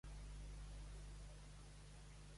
Butlletins de la Borsa de Subproductes de Catalunya.